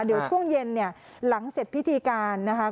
เดี๋ยวช่วงเย็นเนี่ยหลังเสร็จพิธีการนะคะ